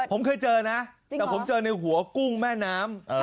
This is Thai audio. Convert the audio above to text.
ผมเคยเจอนะแต่ผมเจอในหัวกุ้งแม่น้ำ